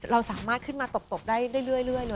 เราสามารถขึ้นมาตบได้เรื่อยเลย